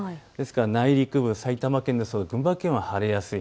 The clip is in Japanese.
内陸部、埼玉県ですとか群馬県は晴れやすい。